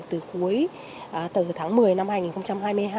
từ cuối tháng một mươi năm hai nghìn hai mươi hai